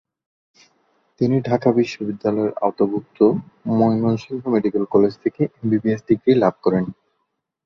তিনি ঢাকা বিশ্ববিদ্যালয়ের আওতাভুক্ত ময়মনসিংহ মেডিকেল কলেজ থেকে এমবিবিএস ডিগ্রি লাভ করেন।